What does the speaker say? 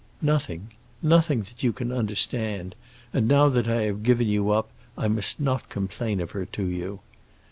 "Nothing. Nothing that you can understand. And now that I have given you up, I must not complain of her to you."